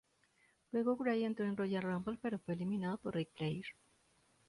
Luego Wright entró en Royal Rumble, pero fue eliminado por Ric Flair.